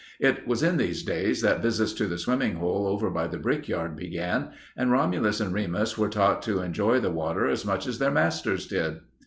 It was in these days that visits to the swimming hole over by the brickyard began, and Romulus and Remus were taught to enjoy the water as much as their masters did.